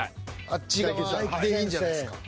あっち側でいいんじゃないですか？